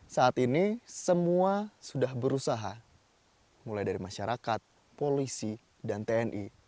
saat ini semua sudah berusaha mulai dari masyarakat polisi dan tni